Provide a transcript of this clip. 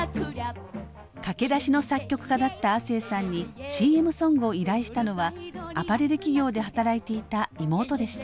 駆け出しの作曲家だった亜星さんにＣＭソングを依頼したのはアパレル企業で働いていた妹でした。